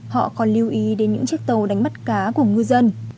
họ còn lưu ý đến những chiếc tàu đánh bắt cá của ngư dân